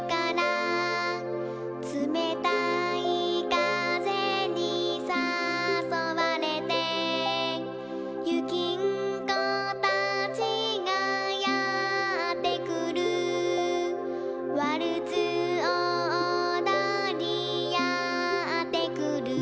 「つめたいかぜにさそわれて」「ゆきんこたちがやってくる」「ワルツをおどりやってくる」